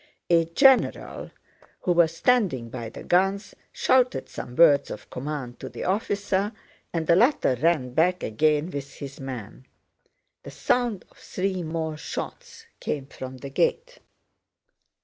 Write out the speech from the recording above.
A general who was standing by the guns shouted some words of command to the officer, and the latter ran back again with his men. The sound of three more shots came from the gate.